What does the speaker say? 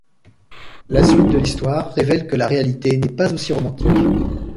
La suite de l'histoire révèle que la réalité n'est pas aussi romantique.